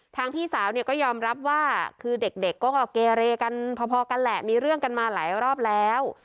พี่สาวเนี่ยก็ยอมรับว่าคือเด็กก็เกเรกันพอกันแหละมีเรื่องกันมาหลายรอบแล้ว